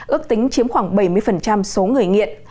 ước tính chiếm khoảng bảy mươi số người nghiện